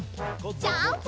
ジャンプ！